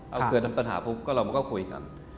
เอาเกิดปัญหาพบก็เราก็คุยกัน